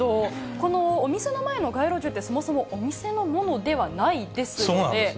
このお店の前の街路樹って、そもそもお店のものではないですよね？